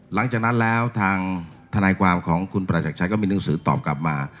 หลังจากนั้นแล้วทางทนายความของคุณประจักรชัยก็มีหนังสือตอบกลับมา